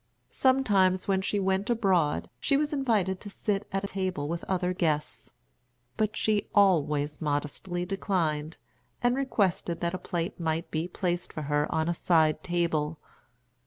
Sometimes, when she went abroad, she was invited to sit at table with other guests; but she always modestly declined, and requested that a plate might be placed for her on a side table.